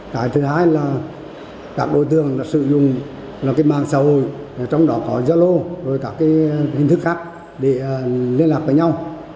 cái thứ hai là các đối tượng đã sử dụng mạng xã hội giá lô và các hình thức khác để liên lạc với nhau